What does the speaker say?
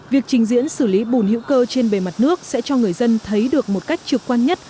việc trình diễn xử lý bùn hữu cơ trên bề mặt nước sẽ cho người dân thấy được một cách trực quan nhất